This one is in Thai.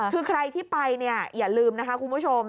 คือใครที่ไปเนี่ยอย่าลืมนะคะคุณผู้ชม